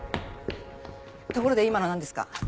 ところで今の何ですか？